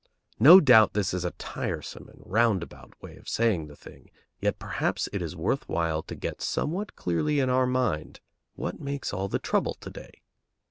No doubt this is a tiresome and roundabout way of saying the thing, yet perhaps it is worth while to get somewhat clearly in our mind what makes all the trouble to day.